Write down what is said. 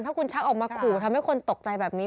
ถ้าคุณชักออกมาขู่ทำให้คนตกใจแบบนี้